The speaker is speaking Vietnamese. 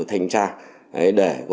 thành ra để